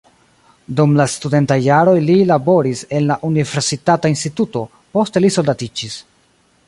Dum la studentaj jaroj li laboris en la universitata instituto, poste li soldatiĝis.